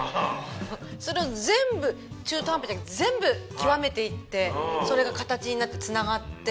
それを全部中途半端じゃなくて全部極めていってそれが形になって繋がって。